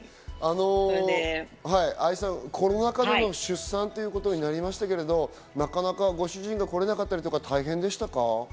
愛さん、コロナ禍での出産となりましたけど、なかなかご主人が来られなかったり、大変でしたか？